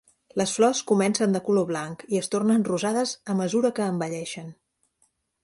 Les flors comencen de color blanc i es tornen rosades a mesura que envelleixen.